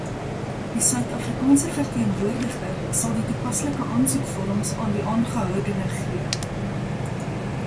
Die Suid-Afrikaanse verteenwoordiger sal die toepaslike aansoekvorms aan die aangehoudene gee.